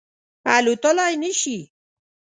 الوتلای نه شي